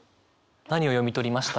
何を読み取りました？